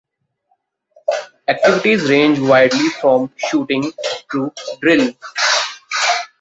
Activities range widely, from shooting to drill.